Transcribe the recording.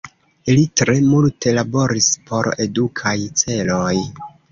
Li tre multe laboris por edukaj celoj.